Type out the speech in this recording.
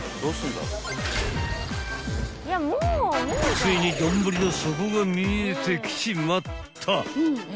［ついに丼の底が見えてきちまった］